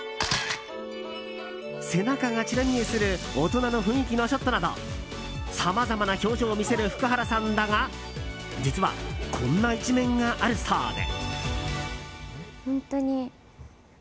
背中がちら見えする大人の雰囲気のショットなどさまざまな表情を見せる福原さんだが実は、こんな一面があるそうで。